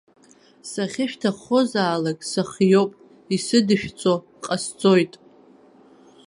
Сахьышәҭаххозаалак сыхиоуп, исыдышәҵо ҟасҵоит.